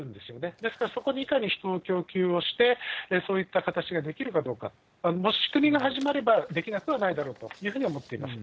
ですから、そこにいかに人を供給をして、そういった形ができるかどうか、仕組みが始まれば、できなくはないだろうというふうに思っています。